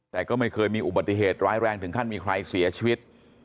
แต่ก็ไม่เคยมีอุบัติเหตุร้ายแรงถึงขั้นมีใครเสียชีวิต